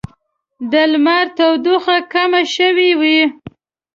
د لمر تودوخه کمه شوې وي